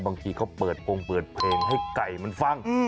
บางทีเขาเปิดโปรงเปิดเพลงให้ไก่มันฟัง